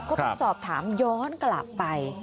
ก็ต้องสอบถามย้อนกลับไป